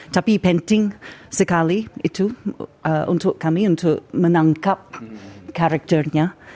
tapi penting sekali itu untuk kami untuk menangkap karakternya